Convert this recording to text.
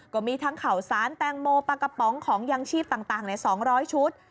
ก็มีทั้งข่าวสารแตงโมปลากระป๋องของยางชีพต่างใน๒๐๐ชุด